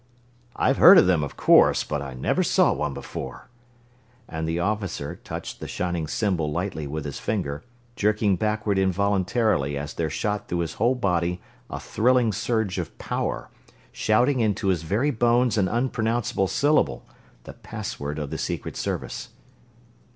"I've heard of them, of course, but I never saw one before," and the officer touched the shining symbol lightly with his finger, jerking backward involuntarily as there shot through his whole body a thrilling surge of power, shouting into his very bones an unpronounceable syllable the password of the Secret Service.